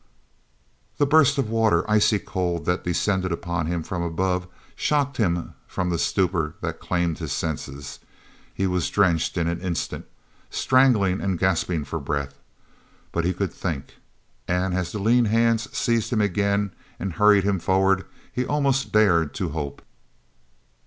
The burst of water, icy cold, that descended upon him from above shocked him from the stupor that claimed his senses. He was drenched in an instant, strangling and gasping for breath. But he could think! And, as the lean hands seized him again and hurried him forward, he almost dared to hope.